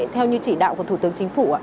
theo như chỉ đạo của thủ tướng chính phủ